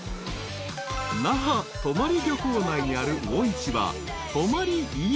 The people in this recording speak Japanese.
［那覇泊漁港内にある魚市場］